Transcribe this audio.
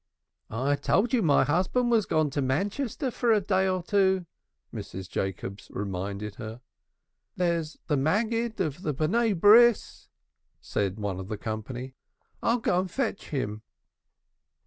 "I told you my husband was gone to Manchester for a day or two," Mrs. Jacobs reminded her. "There's the Maggid of the Sons of the Covenant," said one of the company. "I'll go and fetch him."